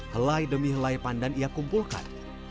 helai demi helai pandan ia kumpulkan